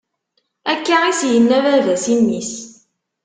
Akka is-yenna baba-s i mmi-s.